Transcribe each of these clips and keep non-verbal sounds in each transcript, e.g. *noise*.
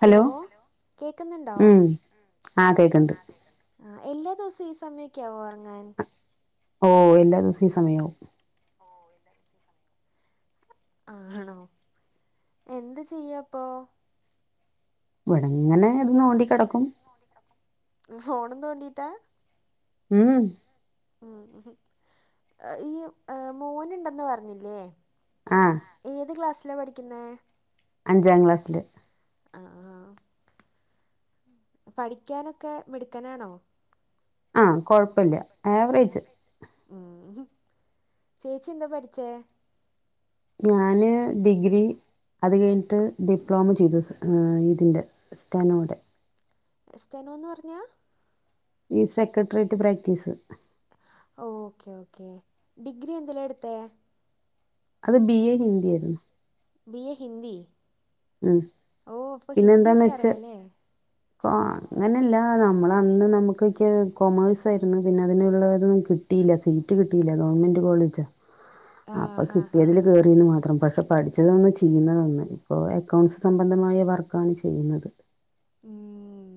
Hello hello കേക്ക്ന്ന്ണ്ടോ? ഉം ആ കേക്ക്ണ്ട് ആഹ് കേക്ക്ണ്ട്. ആഹ് എല്ലാ ദിവസവും ഈ സമയൊക്കാവോ ഒറങ്ങാൻ? ഓ എല്ലാ ദിവസവും ഈ സമയാവും. ഓ എല്ലാദിവസവും ഈ സമയാവും. ആഹ് ആണോ എന്ത് ചെയ്യപ്പൊ? ഇവ്ടെങ്ങനെ ഇത് നോണ്ടി കെടക്കും. ഫോണും തൊണ്ടിട്ടാ? ഉം ഉം ഈ മോന്ണ്ടന്ന് പറഞ്ഞില്ലേ? ആഹ് ഏത് ക്ലാസിലാ പഠിക്ക്ന്നെ? അഞ്ചാം ക്ലാസ്സി. ആഹ് ആഹ്. പഠിക്കാനൊക്കെ മിട്‌ക്കനാണോ? ആ. കൊഴപ്പല്ല ആവറേജ്. ഉംഹ്. ചേച്ചി എന്താ പഠിച്ചേ? ഞാന് ഡിഗ്രി. അത് കഴ്ഞ്ട്ട് ഡിപ്ലോമ ചെയ്തു ഈ ഇതിന്റെ *unintelligible* സ്റ്റനോട്. എസ്തനോ എന്ന് പറഞാ? ഈ secretariat practice. Okay okay. Degree എന്തിലാ എടുത്തേ? അത് ബി എ ഹിന്ദി ആര്ന്നു. B A Hindi. ഉം. ഓ അപ്പോൾ പിന്നെന്താന്ന് ഹിന്ദിയൊക്കെ വെച്ചാ അറിയാലേ അപ്പോ അങ്ങനല്ല നമ്മളന്ന് നമുക്കൊക്കെ കോമേഴ്സ് ആയിരുന്നു. പിന്നെ അതിനുള്ളഒരു കി സീറ്റ് കിട്ടില്ല ഗവൺമെന്റ് കോളേജ് ആ അപ്പം ഹാ ഹാ കിട്ടിയതിൽ കയറി. *unintelligible* ന്ന് മാത്രം. പക്ഷെ പഠിച്ചതൊന്ന് ചെയ്യുന്നതൊന്ന്. ഇപ്പോൾ അക്കൗണ്ട്സ് സംബന്ധമായ വർക്കാണ് ചെയ്യുന്നത്. ഉം.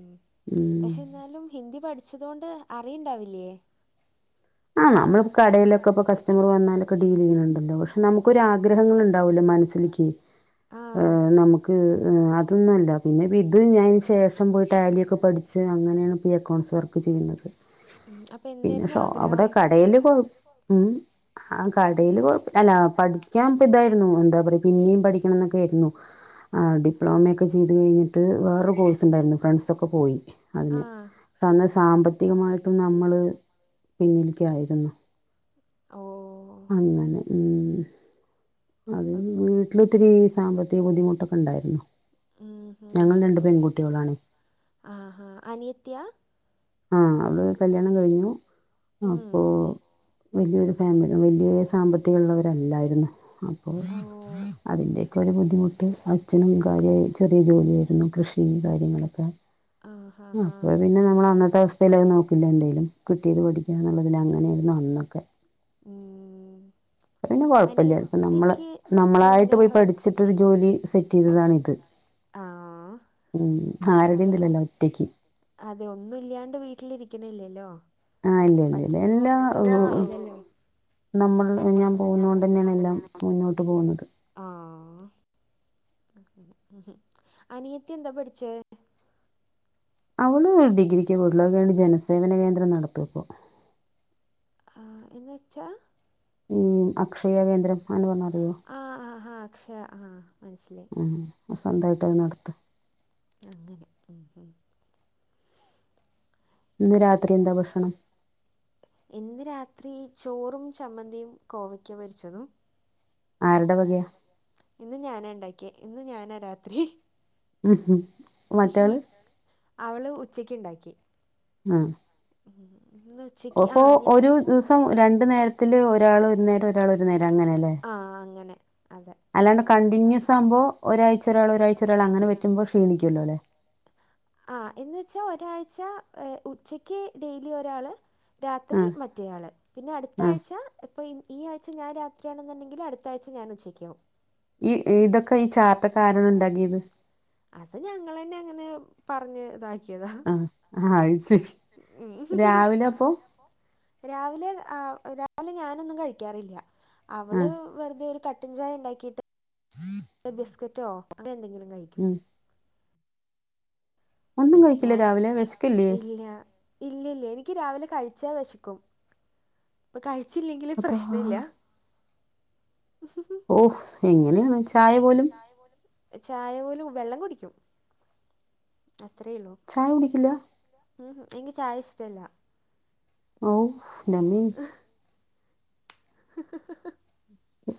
ഉം പക്ഷെ ന്നാലും ഹിന്ദി പഠിച്ചതൊണ്ട് അറിയുണ്ടാവില്ലേ? ആ നമ്മളി കടയിലൊക്കെ ഇ കസ്റ്റമർ വന്നാലൊക്കെ ഡീൽ ചെയ്യണുണ്ടല്ലോ. ക്ഷ നമുക്കൊരാ ആഗ്രഹങ്ങൾണ്ടാവല്ലോ മനസ് ഇക്ക് ആഹ നമുക്ക് അതൊന്നുംല്ല പിന്നെ ഇത് ഞാന് ശേഷം പോയി ടാലിയൊക്കെ പഠിച് പക്ഷേ അങ്ങനെയാണ് ഇപ്പോ ഈ അക്കൗണ്ട്സ് വർക്ക് ചെയ്യുന്നത് ഉം അപ്പൊ എന്തായിരുന്നു ആഗ്രഹം? കടേല് പോകും ഉം ആ കടേല് കൊഴ അല്ലാ പഠിക്കാൻ ഇപ്പ ഇതായിരുന്നു എന്താ പറയാ പിന്നെയും പഠിക്കണംന്നൊക്കെ ആയിരുന്നു ആ ഡിപ്ലോമയൊക്കെ ചെയ്തു കഴിഞ്ഞിട്ട് വേറെ കോഴ്സ് ഉണ്ടായിരുന്നു ഫ്രണ്ട്സൊക്കെ പോയി ആ അതിന് പക്ഷേ അന്ന് സാമ്പത്തികമായിട്ടും നമ്മള് പിന്നില്ക്കായിരുന്നു ഓ അങ്ങനെ ഉം അപ്പം അത്കയിഞ് അന്ന് ഇത്തിരി സാമ്പത്തിക ബുദ്ധിമുട്ടൊക്കെ ഉണ്ടായിരുന്നു ഉം ഉം ഞങ്ങൾ ഉം രണ്ട് ഇപ്പം പെൺകുട്ടികളാണ് ആ ഹാ അനിയത്തി ആ ആ അവള് കല്യാണം കഴിഞ്ഞു ഉം അപ്പോൾ വല്യയൊരു ഫാമിലി വല്യ സാമ്പത്തികള്ളവല്ലായിരുന്നു അപ്പോ ഓ അതിൻ്റെഒക്കെ ഒരു ബുദ്ധിമുട്ട് അച്ഛനും കാര്യായി ചെറിയ ജോലിയായിരുന്നു കൃഷി കാര്യങ്ങളൊക്കെ ആ ഹാ ഹാ അപ്പ പിന്നെ നമ്മൾ അന്നത്തെ അവസ്ഥയിലത് നോക്കില്ല എന്തേലും കുട്ടീത് പഠിക്കാ എന്നുള്ളതിൽ അങ്ങനെയൊരുന്നു നന്നൊക്കെ ഉം പിന്നെ കുഴപ്പില്ല ഇപ്പ നമ്മള് അനിയത്തിക്ക് നല്ല നമ്മളായിട്ട് പോയി പഠി പഠിച്ചിട്ടൊരു ജോലി സെറ്റ് ചെയ്തതാണിത് ആ ഉം അതിപ്പം ആരടെംഇതില്ലല്ലാ ഒറ്റക്ക് അതെ ഒന്നും ഇല്യാണ്ട് വീട്ടിലിരിക്കണില്ലല്ലോ ആ ഇല്ല ഇല്ല ഇല്ല പററ്ണ എല്ലാ പോലെ ജോലിചെയ്തലോ നമ്മൾ ഞാൻ പോകുന്നത് കൊണ്ട തന്നെയാണ് എല്ലാം മുന്നോട്ട് പോകുന്നത് ആ ഉം അനിയത്തി എന്താ പഠിച്ചേ അവള് ഡിഗ്രിക്കേ പോയിട്ടുളളൂ ജനസേവന കേന്ദ്രം നടത്തുപ്പോ ആഎന്ന് വച്ചാ ഉം അക്ഷയ കേന്ദ്രം അങ്ങനെ പറഞ്ഞാ അറിയോ ആ ആ ആ അക്ഷയ ആ മനസ്സിലായി ആ സ്വന്തായിട്ട് ഉം അത് നടത്ത അങ്ങനെ ഉം ഉം ഒന്ന് രാത്രി എന്താ ഭക്ഷണം? ഇന്ന് രാത്രി ചോറും ചമ്മന്തിയും കോവയ്ക്ക പൊരിച്ചതും ആരുടെ വകയാ ഇന്ന് ഞാനാണ്ടാക്കി ഇന്ന് ഞാനാ രാത്രി മറ്റാള് അവള് ഉച്ചക്ക് ണ്ടാക്കി ആ ഉം ഇന്ന് ഉച്ചക്ക് ആ ഓപ്പൊ ഞാ ഒരു ദിവസം രണ്ടു നേരത്തില് ഒരാൾ ഒരുന്നേരം ഒരാൾ ഒരുന്നേരം അങ്ങനെല്ലേ ആ അങ്ങനെ അതെ അല്ലാണ്ട് കണ്ടിന്യൂസ് ആവുബോ ഒരാഴ്ച ഒരാൾ ഒരാഴ്ച ഒരാൾ അങ്ങനെ പറ്റുമോ ക്ഷീണിക്കുല്ലോലേ ആ എന്ന് വെച്ചാ ഒരാഴ്ച ഉച്ചയ്ക്ക് ഡെയിലി ഒരാള് രാത്രി ആ മറ്റേ ആള് പിന്നെ അടുത്ത ആ ആഴ്ച അപ്പോ ഈ ആഴ്ച ഞാൻ രാത്രിയാണെന്നുണ്ടെങ്കിൽ അടുത്താഴ്ച ഞാൻ ഉച്ചയ്ക്കാക്കും ഈ ഇതൊക്കെ ഈ ചാർട്ടോക്കെകാരാണ് ഇണ്ടാക്കിയത് അത് ഞങ്ങളന്നെ അങ്ങനെ പറഞ്ഞ് തായി ക്ക്യതാ ആ ആ അത് ശരി ഉം രാവിലെ അപ്പൊ രാവിലപൊ രാവിലെ ആഹ് രാവിലെ ഞാനൊന്നും കഴിക്കാറില്ല ആ അവള് വെർതെ ഒര് കട്ടൻ ചായണ്ടാക്കീട്ട് *unintelligible* ബിസ്ക്കറ്റോ അങ്ങനെ എന്തെങ്കിലും കഴി ഉം ഒന്നും കഴിക്കില്ല ഞാൻ രാവിലെ വിശക്കില്ലേ ഇല്ല ഇല്ലില്ല എനിക്ക് രാവിലെ കഴിച്ച വെശക്കും ഇപ്പ കഴിച്ചില്ലെങ്കിലു അതാ പ്രശ്ന ഇല്ല ഓഹ് എങ്ങനേണ് ചായ പോലും ചായ പോലും വെള്ളം കുടിക്കും അത്രെ ഉള്ളൂ ചായ കുടിക്കില്ല ഉംഹ് എൻക് ചായ ഇഷ്ടല്ല ഓഹ് എൻ്റെമ്മേ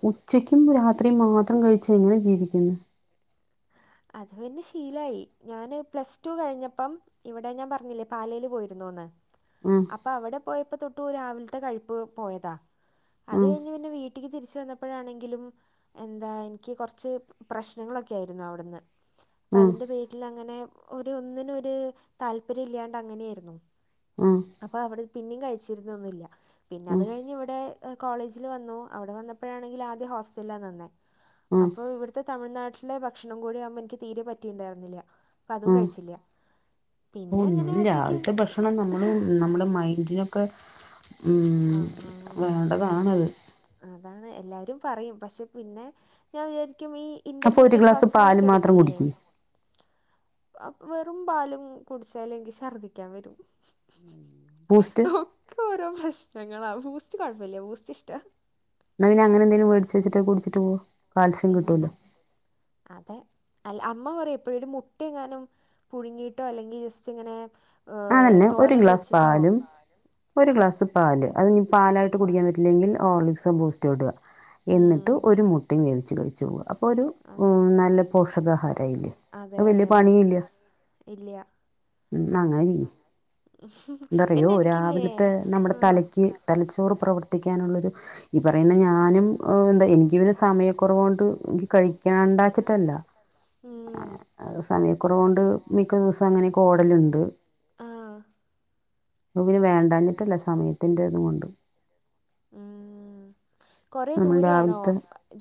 ഉച്ചക്കും രാത്രിം മാത്രം കഴിച്ച എങ്ങനെ ജീവിക്ക്ന്നെ അത് പിന്നെ ശീലായി ഞാന് പ്ലസ് ട്ടു കഴിഞ്ഞപ്പം ഇവടെ ഞാൻ പറ്ഞ്ഞില്ലെ പാലേല് പോയിര്ന്നൂന്ന് മം പ്പ അവടെ പോയപ്പൊ തൊട്ട് രാവിൽത്തെ കഴിപ്പ് പോയത അത് ഉം കഴിഞ്ഞ് പിന്നെ വീ ട്ടിക്ക് തിരിച്ച് വന്നപ്പഴാണെങ്കിലും എന്താ എനിക്ക് കൊറച്ച് പ്രശ്നങ്ങളൊക്കെ ആയിരുന്നു അവിടുന്ന് അപ്പം ഉം അതിൻ്റെ പേരില അങ്ങനെ ഒര് ഒന്നിനൊ ഒര് താല്പര്യ ഇല്ലാണ്ട് അങ്ങനെയെരുന്നു മം അപ്പ അവടെ പിന്നി കഴിച്ചിര്ന്നൊന്നുല്ല പിന്നെ അത് ഉം കഴിഞ്ഞ് ഇവടെ കോളേജിൽ വന്നു അവടെ വന്നപ്പഴാണെങ്കിൽ ആദ്യ ഹോസ്റ്റൽലാ നിന്നെ ഉം അപ്പയ് ഇവിട് ത്തെ തമിഴ്നാട്ട്ലെ ഭക്ഷണം കൂടെ ആവുമ്പൊ എനിക്ക് തീരെ പറ്റിണ്ടാര്ന്നില മം ഓ അങ്ങനെ എന്നാലും ഒറ്റയ്ക്ക് രാവിൽത്തെ ഭക്ഷണം നമ്മള് നമ്മളെ മൈൻഡിനെ ക്കെ ഉം ആ വേണ്ടതാണത് അതാണ് എല്ലാരും പറയും പക്ഷെ പിന്നെ ഞാൻ വിചാരിക്കും ഈ അപ്പൊ ഒരു ഇന്റർമീറ്റേൺ ഗ്ലാസ് ഫാസ്റ്റിംങ് പാല് ഒക്കെ മാത്രം എട്ക്കില്ലേ കുടിക്ക് അപ്പോ വെറും പാലും ഉം കുടിച്ചാലെ എൻക് ശർദിക്കാ വരും ബൂസ്റ്റ് ഒക്കൊ ഓരോ പ്രശ്നങ്ങള ബൂസ്റ്റ് കൊഴപ്പല്ല ബൂസ്റ്റ് ഇഷ്ട്ട ന്നാ പിന്നെ അങ്ങനെന്തേലും വേടിച്ച് വച്ച്ട്ട് കുടിച്ച്ട്ട് പോ കാൽസ്യം ഉം കിട്ടുവല്ലോ അതെ അൽ അമ്മ പറയും എപ്പഴും ഒര് മുട്ട എങ്ങാനും പുഴുങ്ങീട്ടൊ അല്ലെങ്കി ജസ്റ്റ് ഇങ്ങനെ ഏഹ് അതെന്നെ ഒര് തോരൻ ഗ്ലാസ് വെച്ചിട്ടോ പാലും ഒര് ഗ്ലാസ് പാല് അതിഞി പാലായ്ട്ട് കുടിക്കാ പറ്റില്ലെങ്കി ഹോർലിക്സൊ ബൂസ്റ്റൊ ഇടുക ഉം. എന്ന്ട്ട് ഒര് മുട്ടെ വേവിച്ച് കയി ചോവ അപ്പൊ ഒരു അതെ. ഉം നല്ല പോഷകാഹാര ആയിലെ അത് വല്ല്യ പണീല്ല ഇല്ല്യ ഉം ന്ന അങ്ങന ചെയ്യ് എന്താ അറിയോ പിന്നെ എനിക്കില്ലേ രാവിൽത്തെ നമ്മടെ ആഹ് തലക്ക് തലച്ചോറ് പ്രവർത്തിക്കാനുള്ളൊരു ഈ പറയുന്ന ഞാനും ഏഹ് എന്ത എനിക്ക് സമയക്കൊറവോണ്ട് എനിക്ക് കഴിക്കാണ്ടച്ചിട്ടല്ല ഉം സമയക്കൊറവോണ്ട് മിക്ക ദിവസ അങ്ങനൊക്കെ ഓടലുണ്ട് ആഹ് അപ്പ പിന്നെ വേണ്ടഞിട്ടല്ല സമയത്തിന്റെ ഇത് കൊണ്ട് ഉം കൊറേ നമ്മൾ ദൂരെയാണൊ രാവിലത്തെ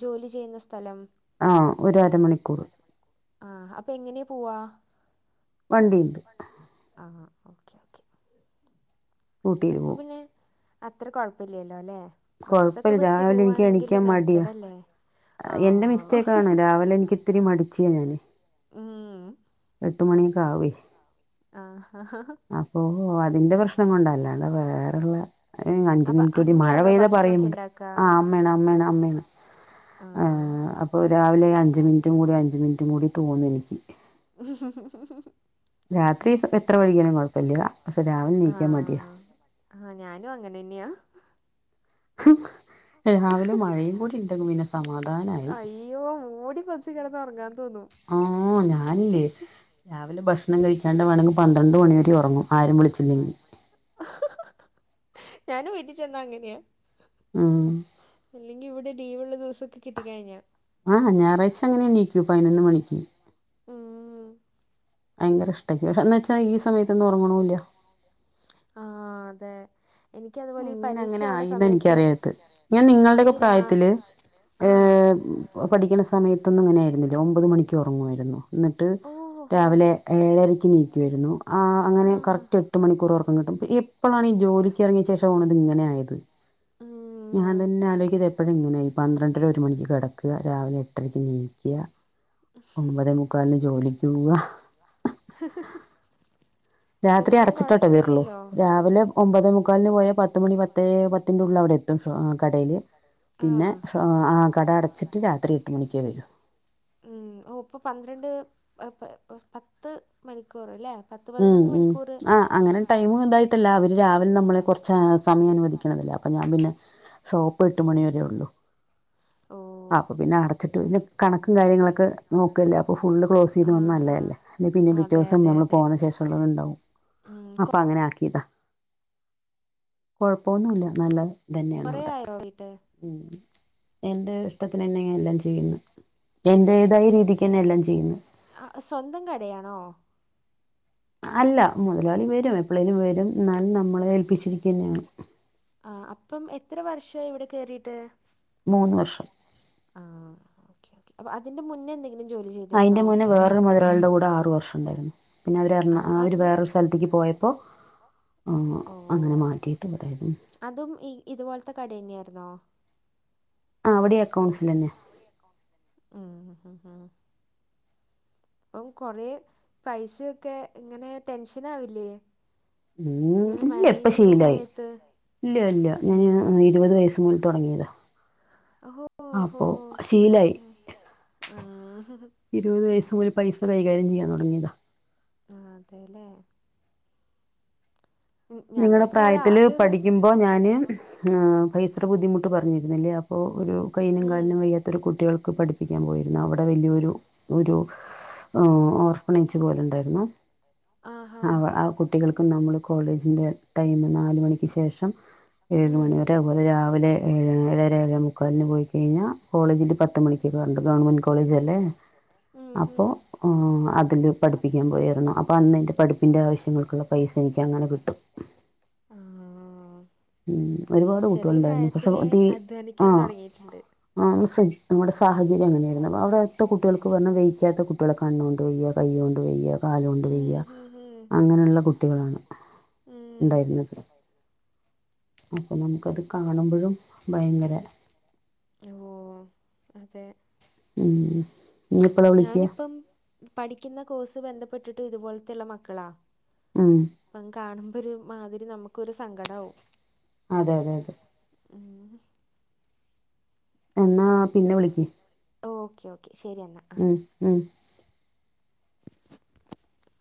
ജോലി ചെയ്യ്ന്ന സ്ഥലം? ആഹ് ഒര് അരമണിക്കൂറ് ആഹ് അപ്പൊ എങ്ങനെ പോവാ? വണ്ടിയ്ണ്ട് ആഹാ ഓക്കേ ഓക്കേ ഊട്ടിയിൽ അപ്പൊ പോവും പിന്നെ അത്ര കൊഴപ്പില്ലല്ലോ അല്ലേ ബസ്സൊക്കെ കുഴപ്പമില്ല പിടിച്ച് രാവിലെ എനിക്ക് പോവാണെങ്കില് എണിക്കാൻ മടിയാ മെനക്കെടല്ലേ എന്റെ ആഹ് മിസ്റ്റേക്കാണ് രാവിലെ എനിക്ക് ഇത്തിരി മടിച്ചിയാ ഞാന് ഉം എട്ട് മണിയൊക്ക ആവുഏ ആഹ് അപ്പൊ അതിന്റെ പ്രശ്നം കൊണ്ട അല്ലാതെ വേറെള്ളെ അഞ്ചു അപ്പോൾ മിനിറ്റൂടി മഴ അമ്മയാണോ പെയ്താ ഭക്ഷണമൊക്കെ പറയ്ണ്ട് ഉണ്ടാക്കുക ആഹ് അമ്മേണ് അമ്മേണ് അമ്മേണ് ആ ആഹ് അ ഇപ്പൊ രാവിലെ അഞ്ച് മിനിറ്റും കൂടി അഞ്ച് മിനിറ്റും കൂടി തോന്നും എനിക്ക് രാത്രി എത്ര രാത്രി ഇപ്പൊ വൈകിയാലും എത്ര കുഴപ്പമില്ല വൈകിയാലും പക്ഷെ കൊയപ്പല്ല രാവിലെ എണീക്കാൻ മടിയാ ആഹ് ആഹ് ഞാനും അങ്ങനെന്നെയാ രാവിലെ മഴയും കൂടി ഇണ്ടെങ്കി പിന്നെ സമാധാനായി ഇയോ മൂടി പൊതച്ച് കിടന്ന് ഒറങ്ങാൻ തോന്നും ആഹ് ഞാനില്ലേ രാവിലെ ഭക്ഷണം കഴിച്ചാണ്ട് വേണമെങ്കിൽ പന്ത്രണ്ട് മണി വരെ ഉറങ്ങും ആരും വിളിച്ചില്ലെങ്കിൽ ഞാനും വീട്ടി ചെന്ന അങ്ങനെയാ ഉം ഇല്ലെങ്കി ഇവിടെ ലീവുള്ള ദിവസൊക്ക കിട്ടിക്കഴിഞ്ഞാൽ ആഹ് ഞായറാഴ്ച അങ്ങനെ എണീക്കൂ പതിനൊന്ന് മണിക്ക് ഉം. ഭയങ്കര ഇഷ്ട ഇക്ക് എന്നെച്ച ഈ സമയൊത്തൊന്നും ഉറങ്ങ്ണൂല്ല ആഹ് അതെ എനിക്കതുപോലെ ഈ അങ്ങനെ എങ്ങനെ പരീക്ഷയാവണ ആയിന്നാ സമയത്ത് ഇൻക്കറിയാത്തത് ഞാൻ നിങ്ങളുടെയൊക്കെ ഞാനീ രാ പ്രായത്തില് ഏ ആ പഠിക്ക്ണ സമയത്തൊന്നും ഇങ്ങനെയായിരുന്നില്ല ഒമ്പത് മണിക്ക് ഉറങ്ങുവായിരുന്നു ന്നിട്ട് ഓ ഹോ രാവിലെ ഏഴരയ്ക്ക് എണീക്കുവായിരുന്നു ആ ആ അങ്ങനെ കറക്റ്റ് എട്ട് മണിക്കൂർ ഉറക്കം കിട്ടും ഇപ്പളാണീ ജോലിക്ക് ഇറങ്ങിയ ശേഷണ് ഇങ്ങനെയായത് ഞാൻ ഉം തന്നെ ആലോചിക്കും ഇതെപ്പഴാ ഇങ്ങനെയായി പന്ത്രണ്ടര ഒരു മണിക്ക് കിട ക്കാ, രാവിലെ എട്ടരയ്ക്ക് നീക്കാ പോവുക *inaudible* രാത്രി എന്നാലും അടച്ചിട്ടോട്ടെ വെരൊള്ളൂ കുഴപ്പില്ലല്ലോ രാവിലെ ഒമ്പതെമുക്കാലിന് പോയാൽ പത്തുമണി പത്തേ പത്തിന്റെ ഉള്ളിൽ അവിടെ എത്തും കടയില് ആ പിന്നെ ആഹ് കട അടച്ചിട്ട് രാത്രി എട്ട് മണിക്കേ വരൂ ഉം ഓ ഇപ്പൊ പന്ത്രണ്ട് ഏ പ പത്ത് മണിക്കൂറ് ല്ലേ ഉം ഉം ആഹ് അങ്ങനെ ടൈം ഉണ്ടായിട്ടല്ല അവര് രാവിലെ നമ്മളെ കൊറച്ച് സമയം അനുവദിക്ക്ണതല്ലേ അപ്പൊ ഞാൻ പിന്നെ ഷോപ്പ് എട്ട് മണി വരേ ഒള്ളൂ ഓ ആഹ് അപ്പൊ പിന്നെ അടച്ചിട്ട് പിന്നെ കണക്കും കാര്യങ്ങളൊക്കെ നോക്കുവല്ലേ അപ്പൊ ഫുള്ള് ക്ലോസ് ചെയ്ത് ആ വന്ന നല്ലെ ഹാ അല്ലേ അല്ല പിന്നെ പിറ്റേ അതെ ദിവസം അതെ നമ്മള് അതെ പോന്ന ശേഷം ഉള്ളത് ഇണ്ടാവും ഉം, അപ്പം അങ്ങനെ ആക്കിയതാ കുഴപ്പൊന്നുല്ല നല്ല ഇതെന്നെണ് കുറേ അവിടെ ആയോ പോയിട്ട് ഉം എന്റെ ഇഷ്ടത്തിനെന്നെ ഞാൻ എല്ലാം ചെയ്യ്ന്നെ എന്റേതായ രീതിക്കെന്നെ എല്ലാം ചെയ്യ്ന്നേ ആഹ് സ്വന്തം കടയാണോ അല്ല മുതലാളി വരും എപ്പളേലും വരും ഇന്നാലും നമ്മളെ ഏൽപ്പിച്ചിരിക്കുന്നെണ് ആഹ് അപ്പം എത്ര വർഷായി അവിടെ കേറിയിട്ട് മൂന്ന് വർഷം ആഹ് ഓക്കേ ഓക്കെ അപ്പൊ അതിന്റെ മുന്നേ എന്തേ ജോലി ചെ അയിന്റെ മുന്നേ വേറൊരു മുതലാളിടെ കൂടെ ആറു വർഷം ഉണ്ടായിരുന്നു പിന്നെ അവര് ആ എറണ അവര് അത് വേറെ ഒരു സ് സ്ഥലതത്ത്ക്ക് പോയപ്പോൾ ആഹ് ഓ അങ്ങനെ മാറ്റിട്ടുണ്ടായിരുന്നു അതും ഈ ഇതുപോലത്തെ കട തന്നെയായിരുന്നോ ആഹ് അവിടെ അക്കൗണ്ട്സിൽ തന്നെ അവിടിം അകൗണ്ടിസിൽ തെന്നെ, ഉം ഉം അപ്പം കുറെ പൈസൊക്കെ ഇങ്ങനെ ടെൻഷനാവില്ലേ ഉം ഇല്ല ഇപ്പ ശീലായി സമയത്ത് ഇല്ല ഇല്ല ഉം. ഞാന് ഇരുപത് വയസ് മുതൽ തുടങ്ങിയതാ ഓ ഓ ഹോ അപ്പൊ ഓക്കെ ശീലായി ഓക്കെ, ശീലായി ഇരുപത് വയസുമുതൽ പൈസ കൈകാര്യം ചെയ്യാൻ തുടങ്ങിയതാ ആഹ് അതേല്ലേ? നിങ്ങളുടെ ഞങ്ങൾക്ക് ഇവിടെ പ്രായത്തില് ആകെ ഒരു പഠിക്കുമ്പോ ഞാന് ഏഹ് പൈതൃ ബുദ്ധിമുട്ട് പറഞ്ഞിരുന്നില്ലേ പ്പോ ഒരു കയ്യിനും ഉം. കാലിനും വയ്യാത്തൊരു കുട്ടികൾക്ക് പഠി ഠിപ്പിക്കാൻ പോയിരുന്നു അവിടെ വല്ലിയോരു ഒരു ഏഹ് ഓർഫനേജ് പോലുണ്ടായിരുന്നു ആഹാ. ആവ് ആ കുട്ടികൾക്കും നമ്മള് കോളേ ജിന്റെ ടൈമ് നാല്മണിക്ക് ശേഷം ഏഴ് ഉം. മണിവരെ അതുപോലെ രാവിലെ ഏഴ് ഏഴര എഴേ മുക്കാലിന് പോയി കഴിഞ്ഞാ കോളേജില് പ ത്ത് മണിക്ക് കേറണ്ടേ ഗവൺമെന്റ് കോളേജല്ലേ ഉം അപ്പൊ ഹും. ആഹ് അതില് പഠിപ്പിക്കാൻ പോയാരുന്നു അപ്പോ അന്നെൻ്റെ പഠിപ്പിൻ്റെ ആവശ്യങ്ങൾക്കുള്ള പൈസ എനക്കങ്ങനെ കിട്ടും. ആഹ് ഉം ഒരുപാട് കുട്ടികളുണ്ടായിരുന്നു പക്ഷെ തീ അധ്വാനിക്കാൻ ആഹ് തുടങ്ങിയിട്ടുണ്ട്. ആഹ് *unintelligible* നമ്മുടെ സാഹചര്യം അങ്ങെനെയായിരുന്നു അ അവിടുത്തെ കുട്ടികൾക്ക് പറഞ്ഞാ വെഴിക്കാത്ത കുട്ടികളൊക്കെ കണ്ണോണ്ട് വയ്യാ കൈ കൊണ്ട് വയ്യാ കാല് കൊണ്ട് ഉം വയ്യ. ഹും ഹും. അങ്ങനെയുള്ള കുട്ടികളാണ് ഉം. ഉണ്ടായിരുന്നത്. അപ്പം നമുക്കത് കാണുമ്പോഴും ഭയങ്കര ഓഹ് അതെ ഉം നീ എപ്പളാ വിളിക്ക ഞാനിപ്പം പഠിക്കുന്ന കോഴ്സ് ബന്ധപ്പെട്ടിട്ടു ഇതുപോലത്തുള്ള മക്കളാ. ഉം. പ്പം കാണുമ്പോരു മാതിരി നമ്മുക്കൊരു സങ്കടാവും. അതെയതെ അതെ ഉം എന്നാ പിന്നെ വിളിക്ക് ഓക്കെ ഓക്കെ ശരി എന്നാ ആ. ഉം ഉം *unintelligible*